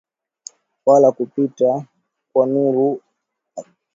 wa kupita kwa nuru na oksijeniKumwaga mafutaKumwaga mafuta